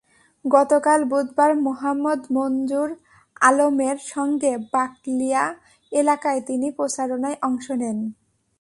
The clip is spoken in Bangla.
গতকাল বুধবার মোহাম্মদ মনজুর আলমের সঙ্গে বাকলিয়া এলাকায় তিনি প্রচারণায় অংশ নেন।